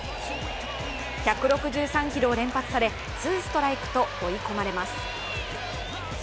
１６３キロを連発されツーストライクと追い込まれます。